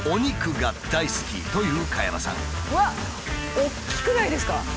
大きくないですか？